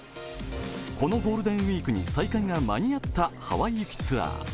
このゴールデンウイークに再開が間に合ったハワイ行きツアー。